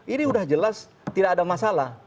ini sudah jelas tidak ada masalah